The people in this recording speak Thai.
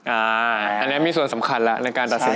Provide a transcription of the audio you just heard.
อันนี้มีส่วนสำคัญแล้วในการตัดสิน